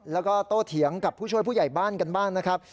แล้วก็โตเถียงกับผู้ช่วยผู้ใหญ่บ้านกันบ้างนะครับ